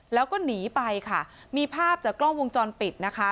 แล้วก็หนีไปค่ะมีภาพจากกล้องวงจรปิดนะคะ